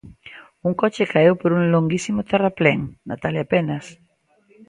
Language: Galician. Un coche caeu por un longuísimo terraplén, Natalia Penas.